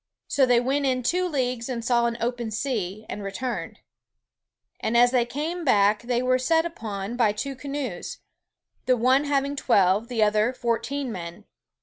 So they went in two leagues and saw an open sea, and returned; and as they came backe they were set upon by two canoes, the one having twelve, the other fourteen men.